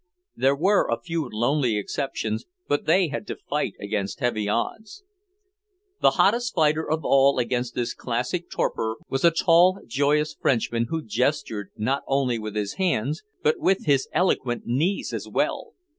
There were a few lonely exceptions but they had to fight against heavy odds. The hottest fighter of all against this classic torpor was a tall, joyous Frenchman who gestured not only with his hands but with his eloquent knees as well.